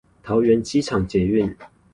桃園機場捷運